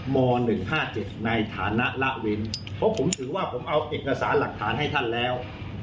ม๑๕๗ในฐานะละเว้นเพราะผมถือว่าผมเอาเอกสารหลักฐานให้ท่านแล้ว